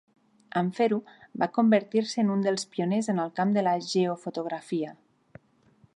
En fer-ho, va convertir-se en un dels pioners en el camp de la geofotografia.